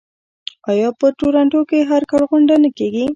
آیا په تورنټو کې هر کال غونډه نه کیږي؟